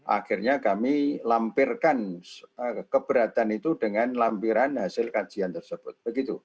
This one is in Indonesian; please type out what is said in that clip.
akhirnya kami lampirkan keberatan itu dengan lampiran hasil kajian tersebut